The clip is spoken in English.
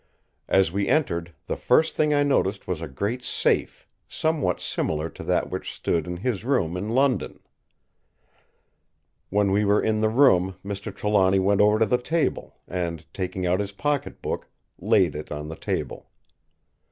As we entered, the first thing I noticed was a great safe, somewhat similar to that which stood in his room in London. When we were in the room Mr. Trelawny went over to the table, and, taking out his pocket book, laid it on the table.